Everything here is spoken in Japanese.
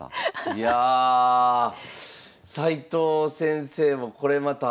いやあ齊藤先生もこれまた。